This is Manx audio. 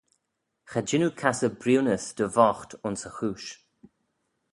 Cha jean oo cassey briwnys dty voght ayns e chooish.